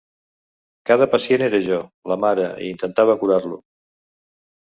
Cada pacient era jo, la mare, i intentava curar-lo.